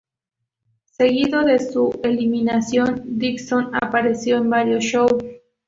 Seguido de su eliminación, Dixon apareció en varios shows.